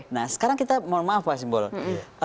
nah sekarang kita mohon maaf pak simbol